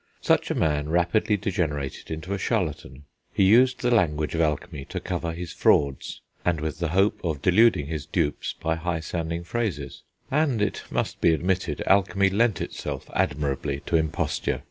Such a man rapidly degenerated into a charlatan; he used the language of alchemy to cover his frauds, and with the hope of deluding his dupes by high sounding phrases. And, it must be admitted, alchemy lent itself admirably to imposture.